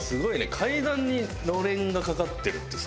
階段に暖簾がかかってるってさ。